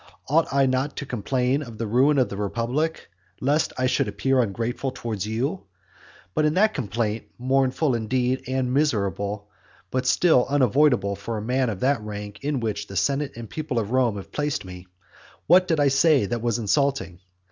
Ought I not to complain of the ruin of the republic, lest I should appear ungrateful towards you? But in that complaint, mournful indeed and miserable, but still unavoidable for a man of that rank in which the senate and people of Rome have placed me, what did I say that was insulting?